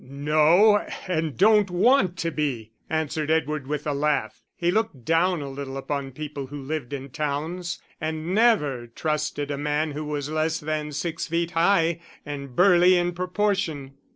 "No and don't want to be," answered Edward, with a laugh. He looked down a little upon people who lived in towns, and never trusted a man who was less than six feet high and burly in proportion!